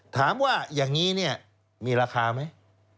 ถามว่าอย่างนี้มีราคาไหม